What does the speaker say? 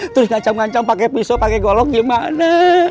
terus ngacam ngacam pake pisau pake golong gimana